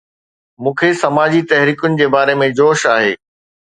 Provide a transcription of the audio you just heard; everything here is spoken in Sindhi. مون کي سماجي تحريڪن جي باري ۾ جوش آهي